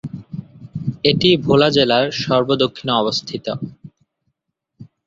এটি ভোলা জেলার সর্ব দক্ষিণে অবস্থিত।